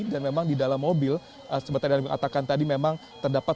dan memang di dalam mobil sebetulnya yang diatakan tadi memang terdapat